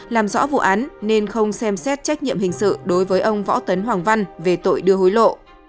làm rõ vụ án nên không xem xét trách nhiệm hình sự đối với ông võ tấn hoàng văn về tội đưa hối lộ